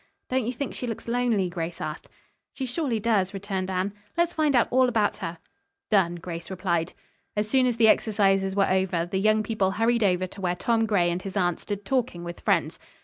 "Don't you think she looks lonely?" Grace asked. "She surely does," returned Anne. "Let's find out all about her." "Done," Grace replied. As soon as the exercises were over the young people hurried over to where Tom Gray and his aunt stood talking with friends.